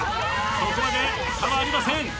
そこまで差はありません。